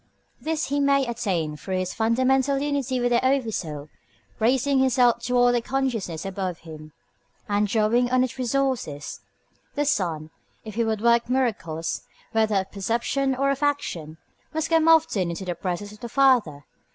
This he may attain through his fundamental unity with the Oversoul, by raising himself toward the consciousness above him, and drawing on its resources. The Son, if he would work miracles, whether of perception or of action, must come often into the presence of the Father.